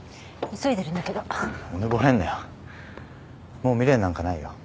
もう未練なんかないよ。